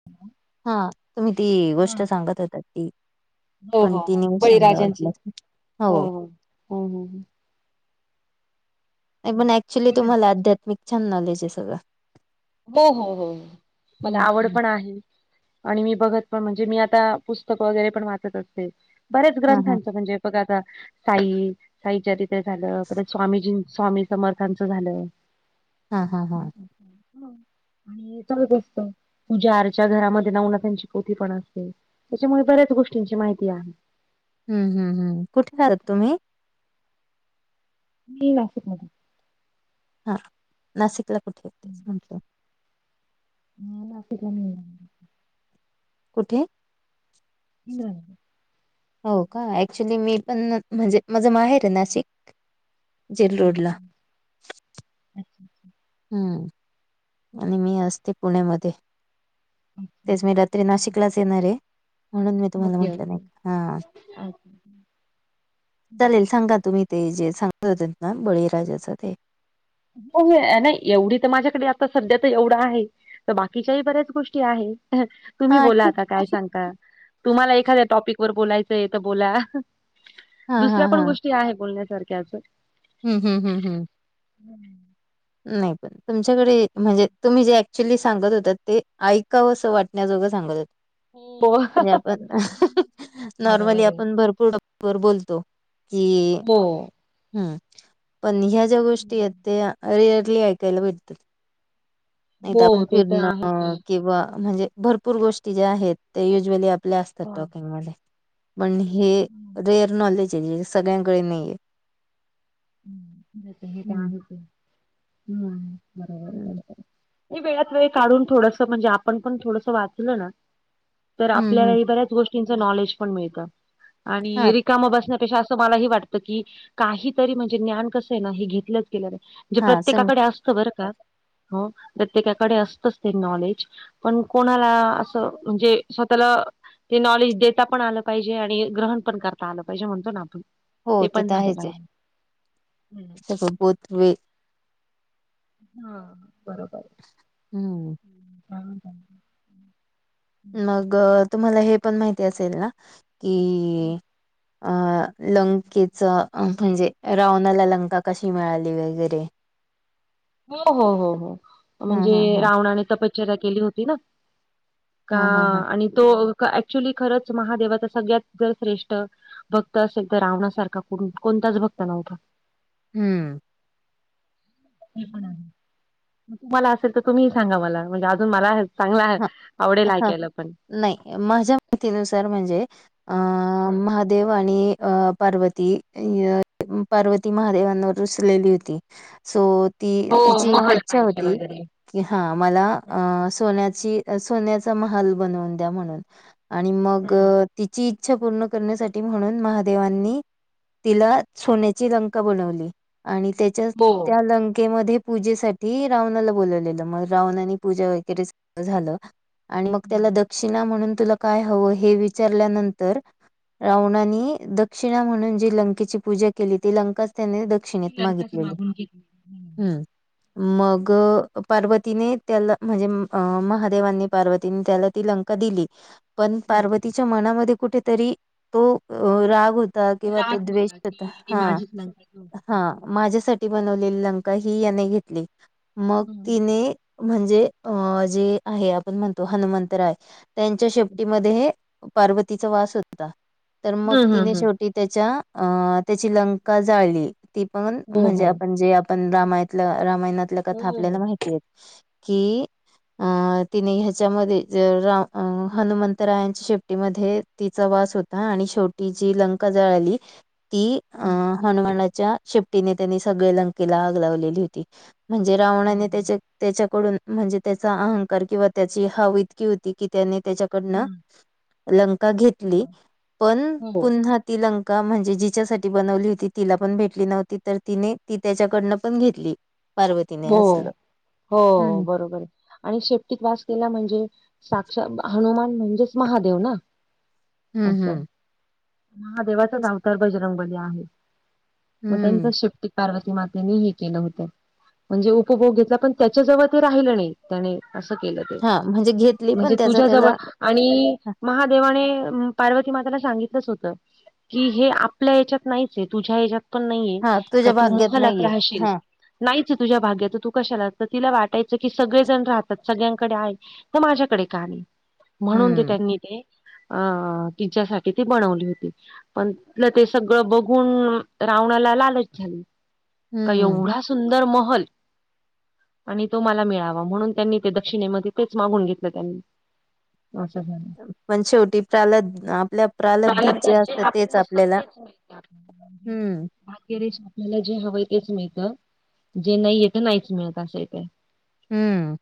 [inaudible] हा तुम्ही ती गोष्ट हा. सांगत होतात, ती हो हो हो कंटिन्यू सांगा, बळीराजांची वाटलंच तर, हो हो हो हो हो नाही हम्म पण ऍक्च्युली बोला ना. तुम्हाला आध्यत्मिक छान नॉलेज आहे सगळं. हो हो हो, मला हम्म आवड हम्म पण आहे आणि मी बघत पण, म्हणजे मी आता पुस्तकं वगैरे पण वाचत असते. बऱ्याच हा हा ग्रंथांचं म्हणजे, बघा आता, साई साईचरित्र झालं, परत स्वामीजीं, स्वामी समर्थांचं झालं. हा हा हा हा आणि चालूच असत, पूजा -आरच्या घरामध्ये नवनाथाची पोथी पण असते. त्याच्यामुळे बऱ्याच गोष्टींची माहिती आहे. हम्म हम्म हम्म, कुठे रहातात तुम्ही? मी नासीकमधे. हा नाशिकला, कुठे ये तेच म्हटलं? ह नाशीकला नाही, कुठे? [unintelligible] हो का, ऍक्च्युली मी प. ण म्हणजे माझं माहेर आहे नाशिक जेल रोडला हम्म अच्छा अच्छा हम्म आणि मी हं, असते पुण्यामध्ये, तेच मी रात्री अच्छा. नाशिकलाच येणार आहे. म्हणून मी तुम्हाला ओके, म्हटलं ओके. नाही का, हा अच्छा. हो, चालेल सांगा तुम्ही, ते जे सांगत होत ना बळीराजाच ते नाही एवढी तर माझ्याकडे आता सध्या तर एवढं आहे. त बाकीच्या ही बऱ्याच गोष्टी आहेत. तुम्ही हा बोला आता, काय ठीक सांगता तुम्हाला एखाद्या टॉपिक वर बोलायचं तर बोला. हां, दुसऱ्या हां, पण गोष्टी आहे बोलण्यासारख्याच. हम्म हम्म हम्म हं. हम्म नाही पण तुमच्याकडे, म्हणजे तुम्ही जे ऍक्च्युली सांगत होतात ते ऐकावं असं वाटण्याजोगं सांगत होत. हो, म्हजे, आपण नॉर्मली बरोबर आहे. आपण भरपूर वर बोलतो की, हो. हूं पण ह्याच ज्या गोष्टी येत त्या रिअरली ऐकायला भेटतात. नाय त आपण हो, ते तर आहेच फिरणं आहे. किंवा म्हणजे भरपूर गोष्टी ज्या आहेत ते युजवली आप आपल्या असतात हो. टॉकिंग मध्ये, पण हे हं, रेअर नॉलेज ये सगळ्यांकडे नाहीेये. हूं जसं हे त हं. आम्हीच ये, बरोबर ये हं. बरोबर ये. ये वेळात वेळ काढून थोडसं, म्हणजे आपण पण थोडंस वाचलं ना तर हं, हं. आपल्यालाही बऱ्याच गोष्टीच नॉलेज पण मिळत आणि हां, रिक काम बसण्यापेक्षा असं मलाही वाटतं की, काहीतरी म्हणजे ज्ञान कसंय ना हे घेतलंच गेलं नाय जे हां. संग प्रत्येकाकडे असतं बर का, हो प्रत्येकाकडे असतच ते नॉलेज पण कोणाला असं म्हणजे स्वतःला ते नॉलेज देता पण आलं पाहिजे. आणि ग्रहण पण करता आलं पाहिजे. म्हणतो ना आपण. हो, ते पण त झालं आहेच ये. पाहिजे हम्म सुपुत वे हा बरोबर ये. हूं हम्म, काय म्हणता अजून मग, तुम्हाला हे पण माहिती असेल ना की, [inaudible] अ लंकेच म्हणजे, रावणाला लंका कशी मिळाली वगैरे [inaudible] हो हो हो हो हा म्हणजे हा हा रावणाने तपश्चर्या केली होती ना का हा हा हा आणि तो ऍक्चुली खरंच महादेवाचा सगळ्यात जर श्रेष्ठ भक्त असेल त रावणासारखा कुटून, कोणताच भक्त नव्हता. हम्म हे पण आहे. म तुम्हाला असेल तर तुम्ही ही सांगा मला, म्हणजे अजून मला चांगला, ह आवडेल ह ऐकायला पण नाही माझ्या माहितीनुसार म्हणजे अ हं. महादेव आणि अ पार्वती, य पार्वती महादेवांनवर रूसलेली होती. सो ती, हो तिची एक महल इच्छा पाहिजे होती. वगैरे की, हा मला अ सोन्याची सोन्याचा महाल बनवून द्या म्हणून आणि मग हं. तिची इच्छा पूर्ण करण्यासाठी म्हणून महादेवांनी तिला सोन्याची लंका बनवली. आणि त्यात त हो त्या लंकेमध्ये पूजेसाठी रावणाला बोलवलेलं. मग रावणाने पूजा वगैरे च झालं. आणि मग त्याला हं. दक्षिणा म्हणून तुला काय हवं हे विचारल्यानंतर रावणानी दक्षिणा म्हणून जी लंकेची पूजा केली. ती लंकाच त्याने दक् ती दक्षिणेत लंकाच मागितलेली. मागून घेतली हम्म मग पार्वतीने त्याला म्हजे म अ महादेवांनी पार्वतीनी त्याला ती लंका दिली. पण हं. पार्व तिच्या मनामध्ये कुठेतरी तो अ राग होत ता किंवा तो राग द्वेष होता. की मी हा माझीच लंका घेऊन हा माझ्यासाठ ठी बनवलेली लंका ही याने घेतली. मग हं. तिने म्हणजे अ जे आहे आपण म्हणतो, हनुमंतराय त्यांच्या शेपटीमध्ये पार्वतीचा वास होता. तर मग हम्म तिने हम्म हम्म शेवटी त्यांच्या अं त्याची लंका जाळली. ती पण हो म्हणजे हो आपण जे आप पण रामायतलं, रामायणातल्या आपल्याला हो माहिती आहेत की [inaudible] अ तिने ह्याच्यामध्ये, अ राव हनुमंतरायांच्या शेपटीमध्ये तिचा वास होता. आणि शेवटी जी लंका जळाली ती अ हा. हनुमानाच्या शेपटीने त्यांनी सगळे लंकेला आग लावलेली होती. म्हणजे हो रावनाने हो त्यांचे त्याच्याकडून म्हणजे त्याचा अहंकार किंवा त्याची हाव इतकी होती कि, त्याने त्याच्या कडन हम्म [inaudible] लंका घेतली. पण हो पुन्हा ति लंका, म्हणजे जिच्यासाठी बनवली होती तिला पण भेटली नव्हती. तर तिने ती त्याच्याकडनं पण घेतली. पार्वतीने हो. असलं हो हम्म बरोबर आहे. आणि शेपटीत वास केला म्हणजे, साक्षात हनुमान म्हणजेच महादेव ना. हम् असं. हम्. महादेवाचाच अवतार बजरंगबली आहे. मग हम्म त्यांचा शेप पार्वती मातेनी हे केलं होतं. म्हणजे उपभोग घेतला, पण त्याच्याजवळ ते राहिलं नाही. त्याने असं केलं ते. हा म्हणजे [inaudible] घेतली पण म्हणजे त्याचा तुझ्या जवळ त्याला आणि, महादेवाने पार्वती मातेला सांगितलंच होतं. कि हे आपल्या याच्यात नाहीचये, तुझ्या ह्याच्यात पण नाहीये, हा का तुझ्या तू भाग्यात महालात नाहीये राहशील. हा नाहीच तुझ्या भाग्यात तू कशाला? तर तिला वाटायचं की, सगळे जण राहतात सगळ्यांकडे आहे तर माझ्याकडे का नाही? म्हणून ते हम्म त्यांनी ते अ तिच्यासाठी ती बनवली होती. पण तिथलं ते सगळं बघून रावण्याला लालच झाली. का हम्म. एवढा सुंदर महल. [inaudible] आणि तो मला मिळावा. म्हणून त्यांनी ते दक्षिणेमध्ये तेच मागून घेतलं त्यांनी. असं झालं. पण शेवटी प्रालब् आपल्या प्रालब्धात जे प्रारब्धात असतं, तेच आपलं असतं आपल्याला [inaudible] हम्म आपल्याला जे हवंय तेच मिळतं. जे नाहीयेत नाहीच मिळत असंय इथ. हम्म.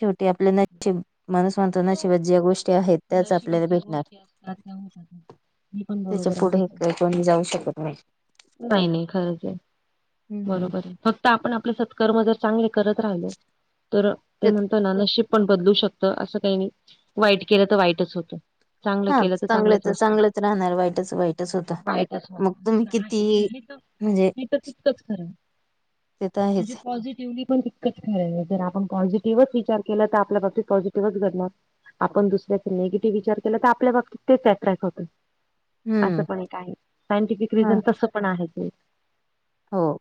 शेवटी आपल नशीब माणूस हो नशिबात ज्या गोष्टी आहेत, त्याच आपल्याला नशिबाच्या भेटणार. गोष्टी असतात त्या होतात [inaudible] हे पण बरोबर आहे. [unintelligible] कोणी जाऊ शकत नाही. काही नाही खरच आहे. [inaudible] हम्म बरोबर, फक्त आपण आपले कर्मचा चांगले करत राहिलो, तर ते म्हणताना नशीब पण बदलू शकत असं काही नाही. वाईट केलं तर वाईटच होतं. चांगलं हा केलं तर चांगलं चांगलंच असत. राहणार वाईटच वाईटच [inaudible] होतं. मग [unintelligible] तुम्ही [inaudible] किती म्हणजे हे तर तितकंच खरंतर. ते तर [inaudible] म्हणजे आहेच पॉझिटिव्हली पण तितकंच खरं आहे. जर आपण पॉझिटिव्हच विचार केला तर, आपल्या बाबतीत पॉझिटिव्हच घडणार. आपण दुसऱ्याचा निगेटिव्ह विचार केला तर, आपल्या बाबतीत तेच अट्रॅक्ट होत. असं हम्म पण एक आहे. सायंटिफिक हा रिझन तसं पण आहे ते. हो.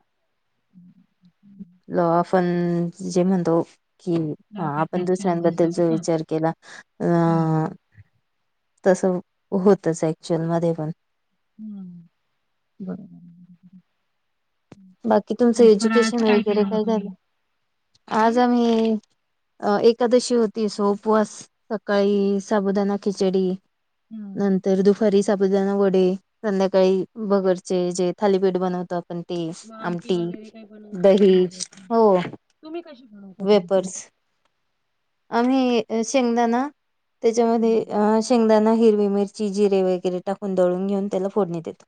ज आपण जे म्हणतो की, लॉ हा ऑफ आपण अट्रॅक्शन जसं दुसऱ्यांबद्दल जो हं. विचार केला, हो. अ [inaudible] तस होतच ऍक्चुअल मध्ये पण. हम्म. [inaudible] बरोबर बरोबर. बाकी तुमचं फराळाचं एज्युकेशन वगैरे केलं मग काय तुम्ही? झालं? आज हं. आम्ही अ एकादशी होती सो उपवास सकाळी साबुदाना खिचडी. हं. नंतर दुपारी साबुदाणा वडे संध्याकाळी बगडचे जे थालीपीठ बनवतो आपण ते. म आमटी वगैरे काही बनव दही बनवले [inaudible] हा हो तुम्ही कशी बनवतात आमटी? वेपर्स आम्ही शेंगदाणा त्याच्यामध्ये हं. अ शेंगदाना, हिरवी मिरची, जिरे वगैरे टाकून, दळून घेऊन त्याला फोडणी देत.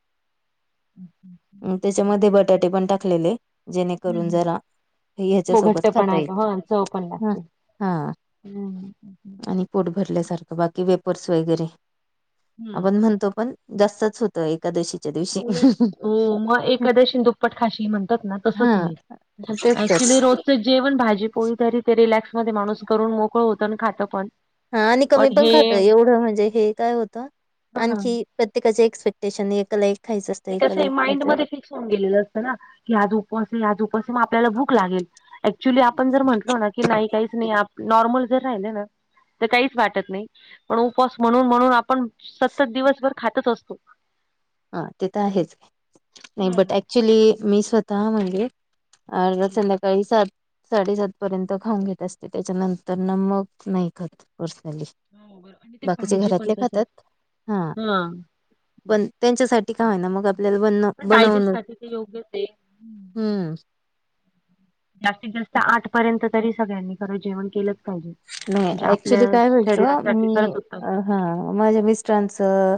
[inaudible] त्याच्यामध्ये बटाटे पण टाकलेले. हं, जेणेकरून हं. जरा हे ह्याच्या सोबत खाता येईल. हा. हा [inaudible] हम्म्. आणि पोट भरल्याार बाकी वेपर्स वगैरे हं. आपण म्हणतो पण जास्तच एकादशीच्या [inaudible] दिवशी उलट हो मग एखाद्याशी दुप्पट खाशी म्हणतात ना हा तसच ये. तेच तर अक्चुअली रोजच जेवण भाजी पोली तरी ते रिलॅक्स मध्ये करून मोकळ होत आणि पण. हा आणि कमी पण खात एवढं म्हणजे हे काय होतं हं. आणखी प्रत्येकाचे एक्सपेक्टेशन एकाला एक खायचं असते एकाला एक खयचं. सांगिल जात ना की आज उपवास ये आज उपास मग आपल्याला भूक लागेल. अऍक्च्युली आपण जर म्हंटलो ना की नाही काहीच नाही नॉर्मल जर राहिलं ना तर काहीच वाटत नाही पण उपास म्हणून म्हणून आपण सतत दिवसभर खातच असतो. हा ते तर आहेच नाही हम्म बट ऍक्च्युली मी स्वतः म्हणजे अग हम्म तुला काय सां साडेसात पर्यंत खाऊन घेत असते त्याच्यानंतर ना मग नाही खात पर्सनली. हो बरोबर. आणि ते बाकीचे पाहिजे पण घरातले कसं खातात, हा पण त्यांच्यासाठी का आहे ना मग आपल्याला बन पण बनवून, डायजेस्ट साठी ते योग्यच आहे. हम्म. हम्म. जास्तीत जास्त आठ पर्यंत तरी सगळ्यांनी खरं जेवण केलं पाहिजे नाही म्हणजे आपल्या ऍक्च्युली काय व्हायचं शरीरासाठी मी खरंच उत्तम. अ, हा माझ्या मिस्टरांचं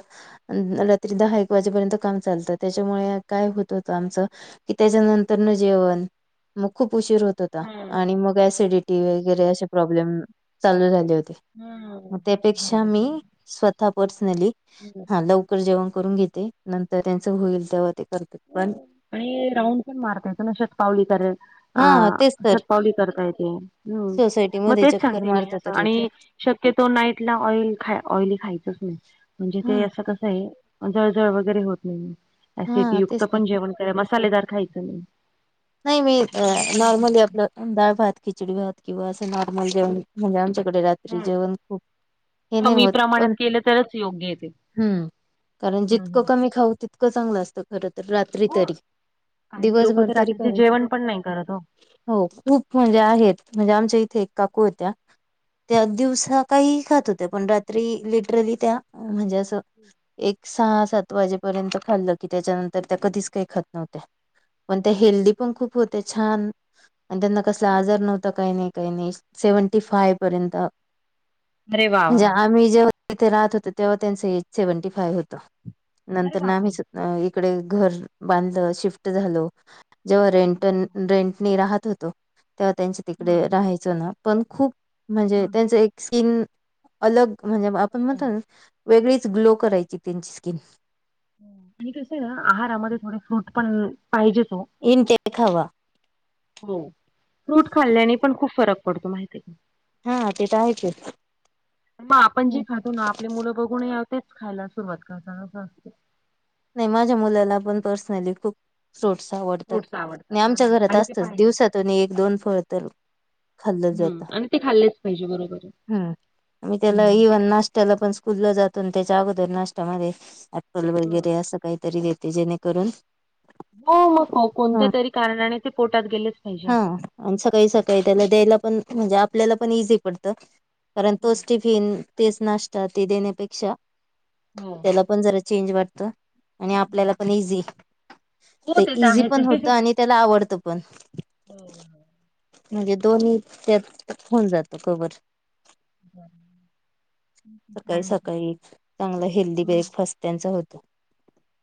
रात्री दहा, एक वाजेपर्यंत काम चालतं त्याच्यामुळे काय होत होतं आमचं की त्याच्यानंतर न जेवण मग खूप उशीर होत हम्म आणि मग सिडिटी वगैरे असे प्रॉब्लेम चालू झाले होते. हम्म म त्यापेक्षा बरोबर मी बरोबर. स्वतः पर्सनली हम्म. हा लव कर जेवण करून घेते नंतर त्यांच होईल तेव्हा ते करते. पण आणि हे राऊंड पण मारता यच नशात पावली करेल. आ हा अशी पावली करता येते, हम्म. सोसायटी मग मध्ये तेच चकर. सांगते आणि शक्यतो नाईट ला ऑल ऑइली खायचच नाही. म्हणजे ते हा असं कसं आहे जळजळ वगैरे होत नाही हा सिटयुत तेच तर [unintelligible] मसालेदार खायचं. नाही मी नॉर्मल ह्यातलं. डाळ भात, खिचडी भात किंवा असं नॉर्मल जेवण म्हणजे आमच्याकडे रात्री जेवण खूप हे नाही कमी होत प्रमाणात पण केलं तरच योग्य आहे ते [inaudible] हम्म कारण हम्म जितकं हम्म. कमी खाऊ ति तकं चांगलं असत खर तर रात्री तरी दिवसभर तरी काय मी जेवण पण नाही करत हो. हो खूप म्हणजे आहेत म्हणजे आमच्या इथे एक काकू होत्या त्या दिवसा काही खातं होत्या पण रात्री लिटरली त्या म्हणजे असं ह् एक सहा सात वाजेपर्यंत, खाल्लं की त्याच्यानंतर त्या कधीचं काही खातं नव्हत्या. पण त्या हेल्दी पण छान आणि त्यांना कसंला आजार नव्हतं. काही नाही - काही नाही सेव्हटीफायव्हा, पर्यंत अरे वा वा म्हणजे आम्ही जेव्ह तिथे राहतं होत तेव्हा त्यांचं एज सेव्हंटी फायव्ह होत अरे नंतर ना बापरे आम्हीचं अ - इकडे घर बांधलं शिफ्ट झालं. जेव्हा रेंट अच्छा अच्छा रेंटनी राहतं होतो तेव्हा त्यांच्या हा तिकडे राहायचं ना पण खूप म्हणजे त्यांच एक स्किन अलग म्हणजे आपण म्हणतो हा ना. वेगळीच ग्लो करायची स्किन. आणि कसं आहे ना आहारामध्ये, थोडे फ्रूट पण पाहिजे हो. इनके खवा हो फ्रूट खाल्ल्याने पण खूप फरक पडतो. माहिती का? हा ते तर आहे कि. मग आपण जे खातो ना आपले मुलं बघून तेचं खायला सुरुवात करतात असं असतं. ने माझ्या मुल्याला पण पर्सनली खूप फ्रुट्स आवडतात. फ्रुट्स आणि आवडतात आमच्या हां, घरात आणि ते असतचं पाहिजे. दिवसातून आणि एक दोन फळं तर खाल्लं हम्म जातं आणि ते खाल्लेच पाहिजे बरोबर आहे. हम्म, म - त्याला हम्म. इव्हन नाश् याला पण स्कूल ला जातो त्याच्या अगोदर नाश्यामध्ये एप्पल वगैर, हम्म. असं काहीतरी देते जेणेकरून हो मग कोणत्या हा. तरी कारणाने ते पोटात गेलेचं पाहिजे हा असं. आणि सकाळी - सकाळी त्याला द्यायला पण म्हणजे आपल्याला पण इझी पडतं कारण तो हं. स्टिप फेन तेचं नाश्ता ते देण्यापेक्षा हो. त्याला पण जरा चेंज वाटतं. आणि आपल्याला पण इझी हो ते तर इझी आहेच पण होतं आणि त्याला आवडतं पण हो. म्हणजे दोन्ही त्यातं होऊनं जातो कव्हर. सकाळी - चालेल. सकाळी चांगला हेल्दी, हं, ब्रेकफास्ट त्याचा होतो.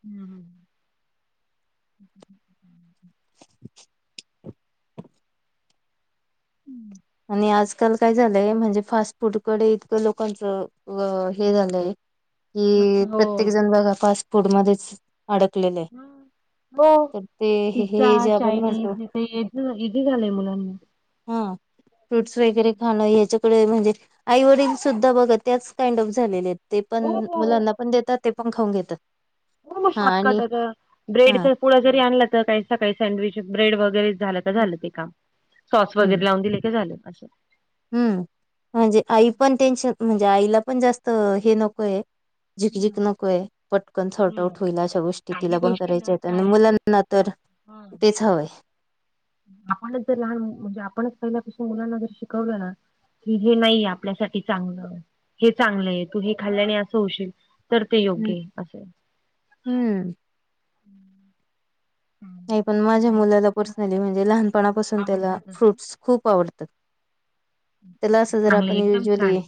हं, हं. हम्म, आणि आजकाल काय झालंय, म्हणजे फास्ट फूड कडे इतकं लोकांचं अ - हे झालंय लक्ष कि हो प्रत्येक, जण बघा फास्ट फूड मध्येचं अडकलेले. हो पिझ्झा हे जे आपण म्हणतो चायनीज इथे इजि - इजि झालंय मुलांला ना. ह. फ्रूट्स वगैरे, खाणं याच्याकडे म्हणजे आई वडील, सुद्धा बघा त्याच काइंड ऑफ झालेले आहेत. ते पण हो हो हो मुलांना पण, देतात. ते पण खाऊन घेतात. हो मग हा शॉर्टकट आणि आता ब्रेडच. हा पुढ जरी आणलं तर काही सकाळी सँडविच ब्रेड वगैरे, झालं तर झालं ते काम. सॉस हम्म वगैरे, लावून दिले की झाले असं. हम्म, म्हणजे आई पण टेन्शन, म्हणजे आईला पण जास्त हे नकोय. जिख- जिख नको हे. पटकन सॉर्ट हम्म आउट होईल अशा गोष्टी काही तिला पण गोष्टी करायच्या ना आहेत आणि पॅरेंट्सच मुलांना चुकतात तर. तेचं हवं हे. आपणचं जर लहान म्हणजे, आपणचं पहिल्यापासून मुलांना जर शिकवलं ना. की ही नाहीये आपल्यासाठी चांगलं. हे चांगलं आहे. तू हे खाल्ल्याने असं होशील. तर ते हम्म योग्य अस. हम्म. हम्म नाही पण ठीक माझ्या आहे मुलाला ताई पर्सनली म्हणजे लहानपणापासून त्याला आवडतातच फ्रूट्स खूप आवडतात. त्याला असं जर चांगले आपण एकदम छान यूज्वली आहे